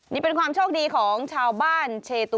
นี่เป็นความโชคดีของชาวบ้านเชตุ